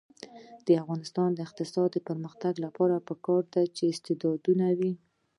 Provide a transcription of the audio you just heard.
د افغانستان د اقتصادي پرمختګ لپاره پکار ده چې استعدادونه وي.